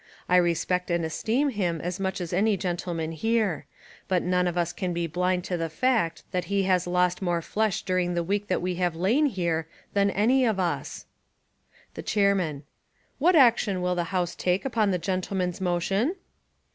I respect and esteem him as much as any gentleman here: but none of us can be blind to the fact that he has lost more flesh during the week that we have lain here than any of us." 125 Essays and Literary Studies The Chairman: "What action will the house take upon the gentleman's motion?"